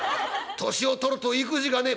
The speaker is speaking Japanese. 「年を取ると意気地がねえ」。